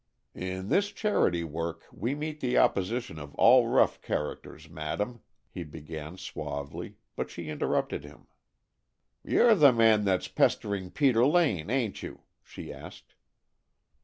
"In this charity work we meet the opposition of all rough characters, Madame," he began suavely, but she interrupted him. "You 're the man that's pestering Peter Lane, ain't you?" she asked.